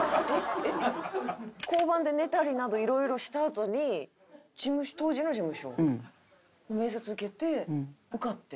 交番で寝たりなど色々したあとに当時の事務所面接受けて受かって。